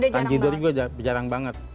kanjidor juga jarang banget